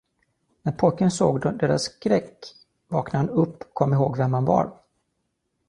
När pojken såg deras skräck, vaknade han upp och kom ihåg vem han var.